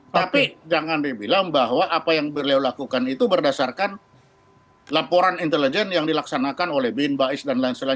tapi jangan dibilang bahwa apa yang beliau lakukan itu berdasarkan laporan intelijen yang dilaksanakan oleh bin bais dan lain sebagainya